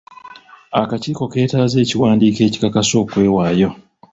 Akakiiko ketaaze ekiwandiiko ekikakasa okwewaayo.